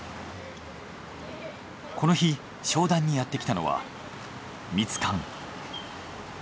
この日商談にやってきたのはミツカン。